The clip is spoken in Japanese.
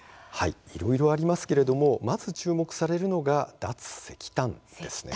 いろいろありますがまず注目されるのが脱石炭です。